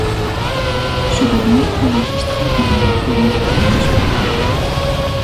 Ce dernier est enregistré durant la tournée japonaise du groupe.